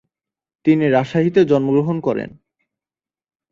তিনি রাজশাহীতে জন্মগ্রহণ করেন।